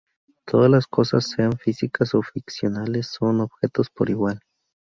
Todas las cosas, sean físicas o ficcionales, son objetos por igual.